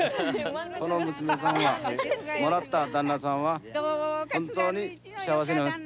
この娘さんは、もらった旦那さんは、本当に幸せな津軽一の旦那。